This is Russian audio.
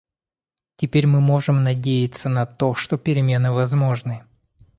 Теперь мы можем надеяться на то, что перемены возможны.